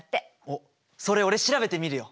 おっそれ俺調べてみるよ！